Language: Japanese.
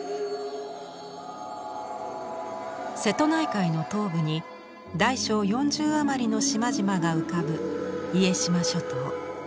瀬戸内海の東部に大小４０余りの島々が浮かぶ家島諸島。